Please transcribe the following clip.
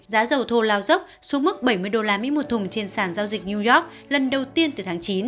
giá dầu thô lao dốc xuống mức bảy mươi đô la mỹ một thùng trên sàn giao dịch new york lần đầu tiên từ tháng chín